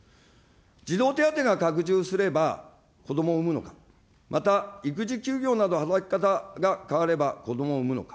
児童手当が拡充すればこどもを産むのか、また育児休業など、働き方が変わればこどもを産むのか。